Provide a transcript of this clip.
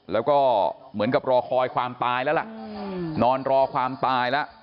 แล้วก็เหมือนกับรอคอยความตายแล้วล่ะนอนรอความตายแล้ว